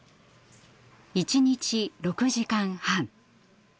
一日６時間半。